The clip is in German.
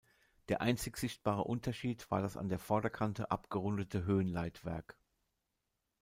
Der einzig sichtbare Unterschied war das an der Vorderkante abgerundete Höhenleitwerk.